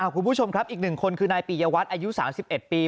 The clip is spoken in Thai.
คุณผู้ชมครับอีกหนึ่งคนคือนายปียวัตรอายุ๓๑ปี